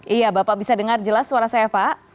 iya bapak bisa dengar jelas suara saya pak